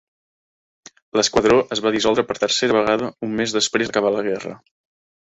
L'esquadró es va dissoldre per tercera vegada un mes després d'acabar la guerra.